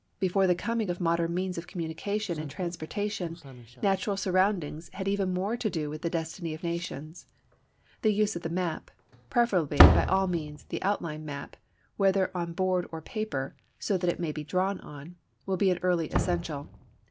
Before the coming of modern means of communication and transportation, natural surroundings had even more to do with the destiny of nations. The use of the map (preferably, by all means, the outline map, whether on board or paper, so that it may be drawn on) will be an early essential.